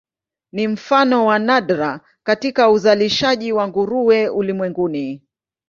Ni mfano wa nadra katika uzalishaji wa nguruwe ulimwenguni.